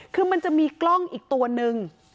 คือมันจะมีกล้องอีกตัวนึง